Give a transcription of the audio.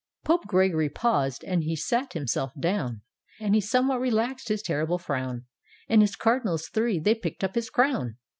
" Pope Gregory paused and he sat himself down, And he somewhat relaxed his terrible frown. And his Cardinals three they picked up his crown.